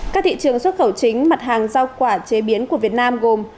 các thị trường xuất khẩu chính mặt hàng rau quả chế biến của việt nam gồm